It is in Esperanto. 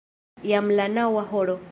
Jam la naŭa horo!